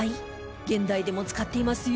現代でも使っていますよ